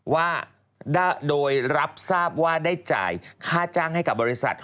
ว่าโดยรับทราบว่าได้จ่ายค่าจ้างให้กับบริษัท